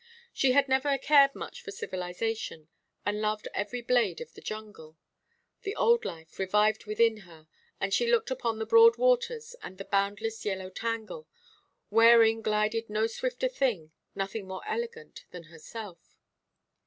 She had never cared much for civilization, and loved every blade of the jungle. The old life revived within her, as she looked upon the broad waters, and the boundless yellow tangle, wherein glided no swifter thing, nothing more elegant, than herself.